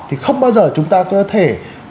thì không bao giờ chúng ta có thể